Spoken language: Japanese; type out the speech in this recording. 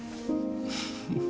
フフフ